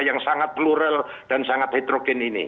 yang sangat plural dan sangat heterogen ini